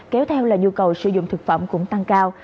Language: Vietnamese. kéo theo là nhu cầu sử dụng thực phẩm cũng tăng cao